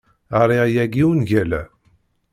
Ɣriɣ yagi ungal-a.